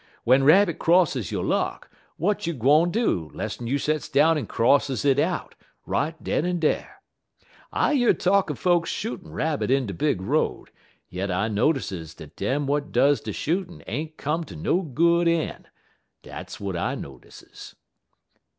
W'en rabbit crosses yo' luck, w'at you gwine do, less'n you sets down en crosses it out, right den en dar? I year talk er folks shootin' rabbit in de big road, yit I notices dat dem w'at does de shootin' ain't come ter no good een' dat w'at I notices."